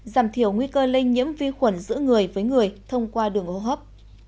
giảm thiểu nguy cơ lây nhiễm vi khuẩn giữa người với người thông qua đường hô hấp